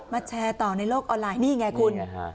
แชร์ต่อในโลกออนไลน์นี่ไงคุณ